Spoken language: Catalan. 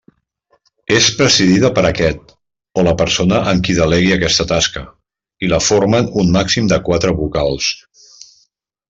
És presidida per aquest, o la persona en qui delegui aquesta tasca, i la formen un màxim de quatre vocals.